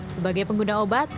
sebagai pengguna obat